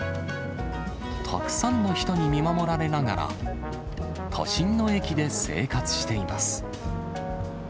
たくさんの人に見守られながら、都心の駅で生活しています。